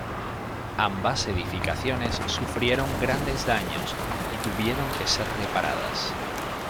Ambas edificaciones sufrieron grandes daños y tuvieron que ser reparadas.